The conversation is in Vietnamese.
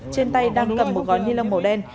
trên tay đang cầm một gói ni lông màu đen